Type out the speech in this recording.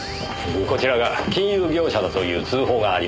こちらが金融業者だという通報がありました。